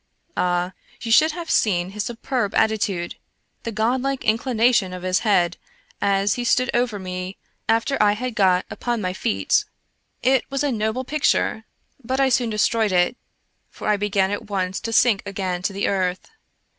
Ah, you should have seen his superb attitude, the godlike in clination of his head as he stood over me after I had got lOI American Mystery Stories upon my feet ! It was a noble picture, but I soon destroyed it, for I began at once to sink again to the earth.